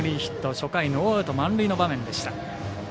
初回、ノーアウト満塁の場面でした。